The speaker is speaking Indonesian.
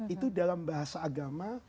itu dalam bahasa agama